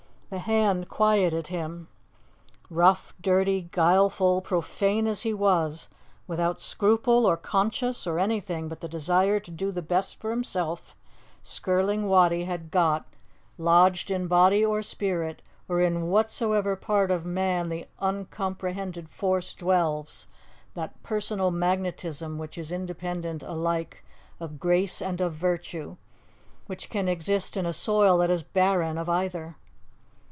The hand quieted him. Rough, dirty, guileful, profane as he was, without scruple or conscience or anything but the desire to do the best for himself, Skirling Wattie had got, lodged in body or spirit, or in whatsoever part of man the uncomprehended force dwells, that personal magnetism which is independent alike of grace and of virtue, which can exist in a soil that is barren of either.